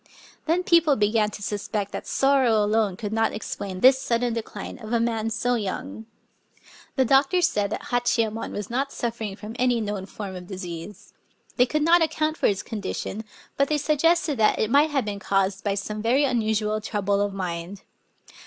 Then people began to suspect that sorrow alone could not explain this sudden decline of a man so young. The doctors said that Hachiyemon was not suffering Digitized by Googk 50 THE STORY OF 0 KAM£ from any known form of disease: they could not account for his condition; but they suggested that it might have been caused by some very unusual trouble of mind.